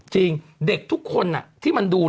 จริงเด็กทุกคนที่มันดู